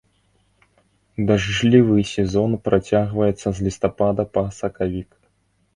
Дажджлівы сезон працягваецца з лістапада па сакавік.